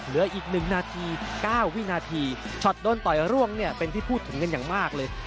เหลืออีก๑นาที๙วินาทีช็อตโดนต่อยร่วงเนี่ยเป็นที่พูดถึงกันอย่างมากเลย